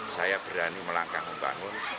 saya berani melangkah membangun